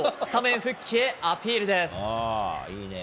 スタメン復帰へ、アピールです。